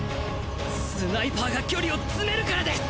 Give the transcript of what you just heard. スナイパーが距離を詰めるからです！